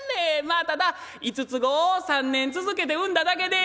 まあただ５つ子を３年続けて産んだだけで」。